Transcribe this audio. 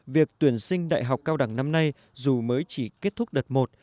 việc tuyển sinh đại học cao đẳng năm nay dù mới chỉ kết thúc đợt một